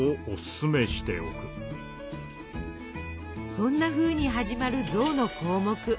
そんなふうに始まる「象」の項目。